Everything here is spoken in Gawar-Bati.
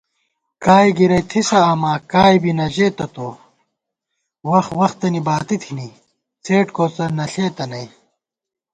کائےگِرَئی تھِسہ آما ، کائے بی نہ ژېتہ تو * وخت وختنی باتی تھنی څېڈ کوڅہ نہ ݪېتہ نئ